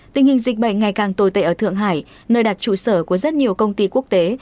tình hình dịch bệnh ngày càng tồi tệ ở thượng hải nơi đặt trụ sở của rất nhiều công ty quốc tế